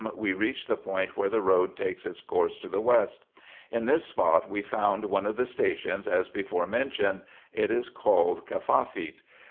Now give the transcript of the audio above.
we reached the point where the road takes its course to the west. In this spot we found one of the stations, as before mentioned; it is called Kafafeet.